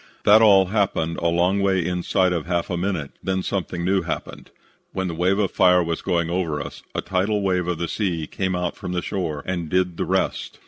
"That all happened a long way inside of half a minute; then something new happened. When the wave of fire was going over us, a tidal wave of the sea came out from the shore and did the rest.